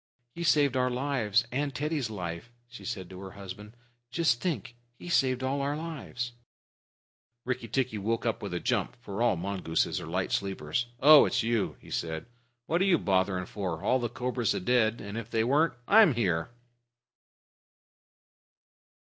"He saved our lives and Teddy's life," she said to her husband. "Just think, he saved all our lives." Rikki tikki woke up with a jump, for the mongooses are light sleepers. "Oh, it's you," said he. "What are you bothering for? All the cobras are dead. And if they weren't, I'm here."